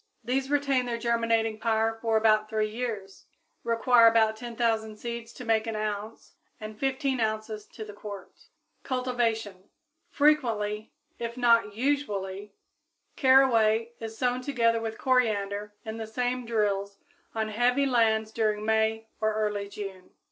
These retain their germinating power for about three years, require about 10,000 seeds to make an ounce and fifteen ounces to the quart. Cultivation. Frequently, if not usually, caraway is sown together with coriander in the same drills on heavy lands during May or early June.